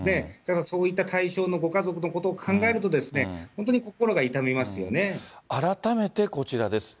だからそういった対象のご家族のことを考えると、本当に心が痛み改めてこちらです。